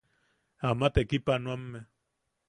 Ama tekipanoame.